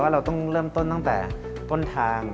เราต้องเริ่มต้นตั้งแต่ต้นทาง